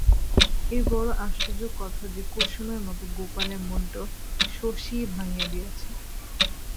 এ বড় আশ্চর্য কথা যে কুসুমের মতো গোপালের মনটাও শশীই ভাঙিয়া দিয়াছে।